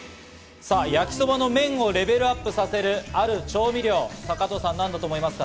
焼きそばの麺をレベルアップさせるある調味料、加藤さん、何だと思いますか？